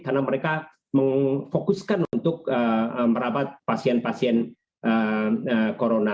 karena mereka memfokuskan untuk merawat pasien pasien corona